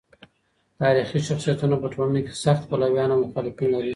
تاریخي شخصیتونه په ټولنه کي سخت پلویان او مخالفین لري.